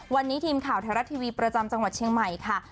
วันนี้ทีมข่าวไทยรัฐทีวีประจำจังหวัดเชียงใหม่ค่ะ